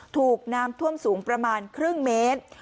ถูกน้ำท่วมสูงประมาณครึ่งเมตร